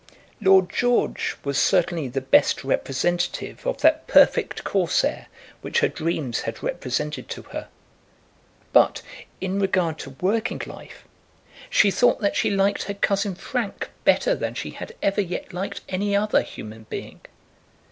Lord George was certainly the best representative of that perfect Corsair which her dreams had represented to her; but, in regard to working life, she thought that she liked her cousin Frank better than she had ever yet liked any other human being.